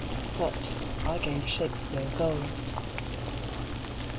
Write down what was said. . but I gave Shakespeare gold.